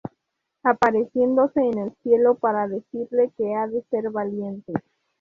apareciéndose en el cielo para decirle que ha de ser valiente